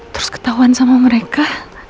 terus ketauan sama mereka